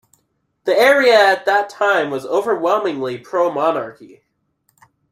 The area at that time was overwhelmingly pro-monarchy.